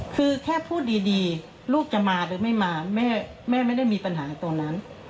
คือแค่พูดดีลูกจะมาหรือไม่มาแม่ไม่ได้มีปัญหาตรงนั้น